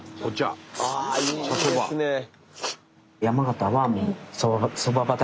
ああいいですね。